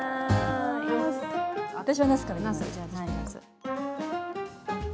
私は、なすからいきます。